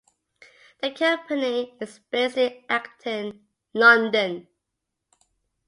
The company is based in Acton, London.